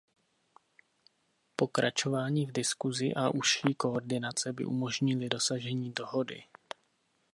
Pokračování v diskusi a užší koordinace by umožnily dosažení dohody.